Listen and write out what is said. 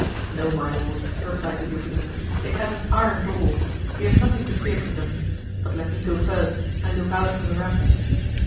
"No, my Lord," replied Ludovico, "it has an iron door; we have nothing to fear from them; but let me go first, and look out from the rampart."